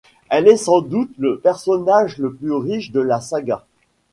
Elle est sans doute le personnage le plus riche de la saga.